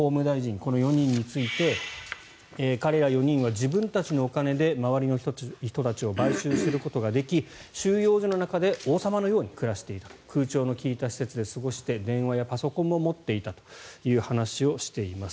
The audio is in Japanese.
この４人について彼ら４人は自分たちのお金で周りの人たちを買収することができ収容所の中で王様のように暮らしていた空調の利いた施設で過ごして電話やパソコンも持っていたという話をしています。